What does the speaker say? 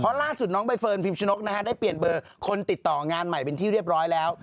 ล่าสุดน้องใบเฟิร์นพิมชนกนะฮะได้เปลี่ยนเบอร์คนติดต่องานใหม่เป็นที่เรียบร้อยแล้ว